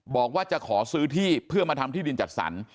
บอกว่าจะขอซื้อที่เพื่อมาทำที่ดินจัดสรร